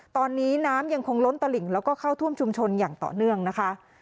ตอนนี้น้ำยังคงล้นตลิ่งแล้วก็เข้าท่วมชุมชนอย่างต่อเนื่องนะคะ